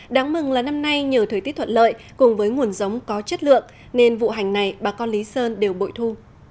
đáng mừng là năm nay nhờ thời tiết thuận lợi cùng với nguồn giống có chất lượng nên vụ hành này bà con lý sơn đều bội thu